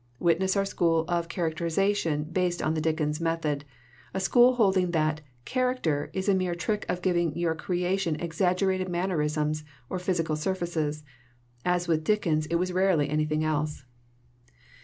Witness our school of char acterization based on the Dickens method, a school holding that * character' is a mere trick of giving your creation exaggerated mannerisms or physical surfaces as with Dickens it was rarely anything else.